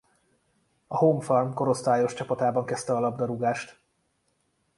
A Home Farm korosztályos csapatában kezdte a labdarúgást.